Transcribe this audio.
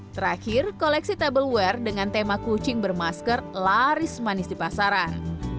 terakhir koleksi tableware dengan tema kucing bermasker laris manis di pasaran